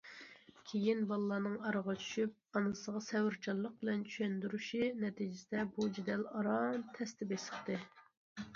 كېيىن بالىلارنىڭ ئارىغا چۈشۈپ ئانىسىغا سەۋرچانلىق بىلەن چۈشەندۈرۈشى نەتىجىسىدە بۇ جېدەل ئاران تەستە بېسىقتى.